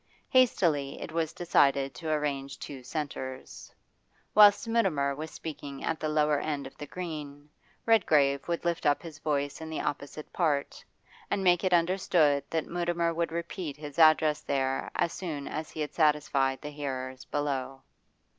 Hastily it was decided to arrange two centres. Whilst Mutimer was speaking at the lower end of the Green, Redgrave would lift up his voice in the opposite part, and make it understood that Mutimer would repeat his address there as soon as he had satisfied the hearers below.